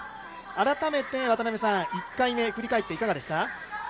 改めて１回目振り返ってみていかがですか？